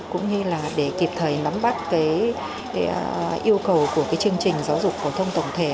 cũng như là để kịp thời nắm bắt cái yêu cầu của cái chương trình giáo dục phổ thông tổng thể